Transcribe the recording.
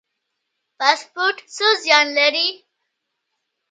فاسټ فوډ څه زیان لري؟